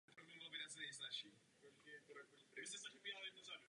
O památku se nyní starají místní nadšenci.